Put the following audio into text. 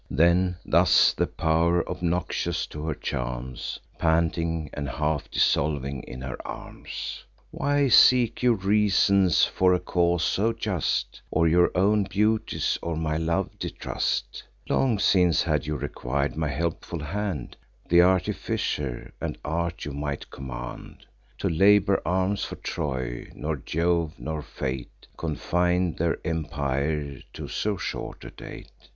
Then thus the pow'r, obnoxious to her charms, Panting, and half dissolving in her arms: "Why seek you reasons for a cause so just, Or your own beauties or my love distrust? Long since, had you requir'd my helpful hand, Th' artificer and art you might command, To labour arms for Troy: nor Jove, nor fate, Confin'd their empire to so short a date.